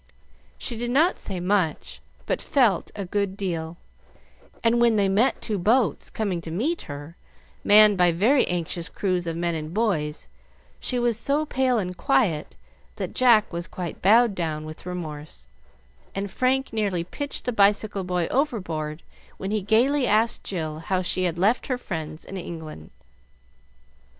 She did not say much, but felt a good deal; and when they met two boats coming to meet her, manned by very anxious crews of men and boys, she was so pale and quiet that Jack was quite bowed down with remorse, and Frank nearly pitched the bicycle boy overboard because he gayly asked Jill how she left her friends in England.